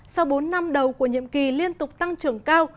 sau bốn năm đầu của nhiệm kỳ liên tục tăng trưởng cao